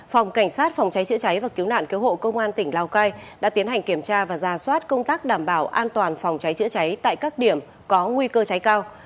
phòng cảnh sát phòng cháy chữa cháy và cứu nạn cứu hộ công an tỉnh lào cai đã tiến hành kiểm tra và ra soát công tác đảm bảo an toàn phòng cháy chữa cháy tại các điểm có nguy cơ cháy cao